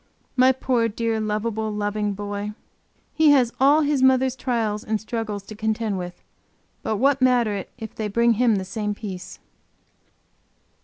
My poor, dear, lovable, loving boy! He has all his mother's trials and struggles to contend with; but what matter it if they bring him the same peace?